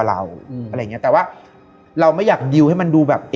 เลยไม่ยิน